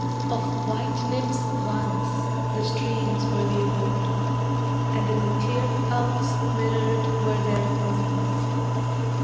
Of white nymphs once, the streams were the abode. And in the clear founts mirrored were their forms.